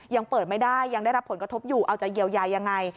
ยังเปิดไม่ได้ยังได้รับผลกระทบอยู่เอาจะเยียวยายังไง